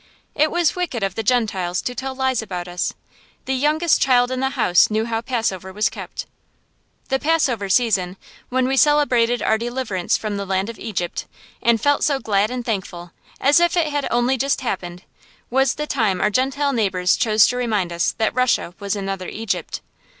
It was wicked of the Gentiles to tell lies about us. The youngest child in the house knew how Passover was kept. The Passover season, when we celebrated our deliverance from the land of Egypt, and felt so glad and thankful, as if it had only just happened, was the time our Gentile neighbors chose to remind us that Russia was another Egypt.